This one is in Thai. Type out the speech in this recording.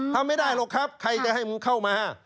ทำไม่ได้หรอกครับใครจะให้มึงเข้ามา